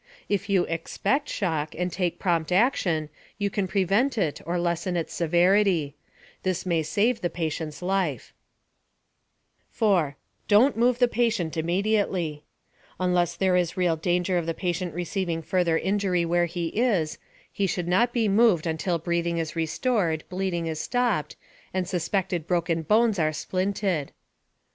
If you expect shock, and take prompt action, you can prevent it or lessen its severity. This may save the patient's life. (Treatment of shock is discussed on page 62). 4. Don't move the patient immediately. Unless there is real danger of the patient receiving further injury where he is, he should not be moved until breathing is restored, bleeding is stopped, and suspected broken bones are splinted.